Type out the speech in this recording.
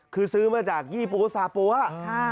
คือซื้อมาจากยี่ปวสาปว่า